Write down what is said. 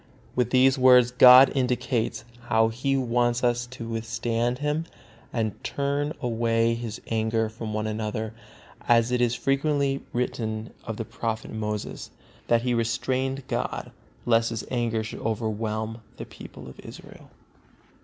With these words God indicates how He wants us to withstand Him and turn away His anger from one another, as it is frequently written of the Prophet Moses, that he restrained God, lest His anger should overwhelm the people of Israel.